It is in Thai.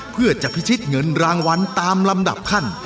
เพื่อจะพิชิตเงินรางวัลตามลำดับขั้น